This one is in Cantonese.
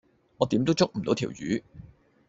我點都捉唔到條魚